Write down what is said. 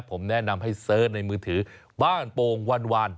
ผมแนะนำให้เสิร์ชในมือถือบ้านโป่งวาน